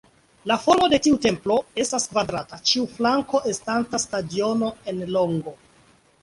La formo de tiu templo estas kvadrata, ĉiu flanko estanta stadiono en longo.